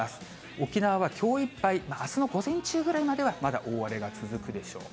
沖縄はきょういっぱい、あすの午前中ぐらいまではまだ大荒れが続くでしょう。